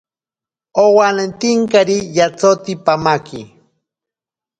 Owametinkari yatsoti pamaki.